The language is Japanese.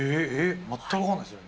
全く分かんないっすね。